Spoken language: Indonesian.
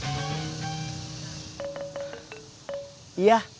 iya terima kasih